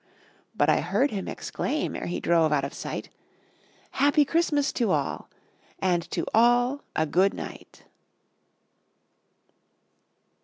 But I heard him exclaim, ere he drove out of sight, _"Happy Christmas to all, and to all a good night."